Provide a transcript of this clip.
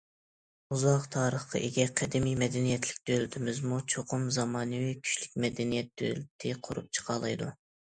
ئۇزاق تارىخقا ئىگە قەدىمىي مەدەنىيەتلىك دۆلىتىمىزمۇ چوقۇم زامانىۋى كۈچلۈك مەدەنىيەت دۆلىتى قۇرۇپ چىقالايدۇ.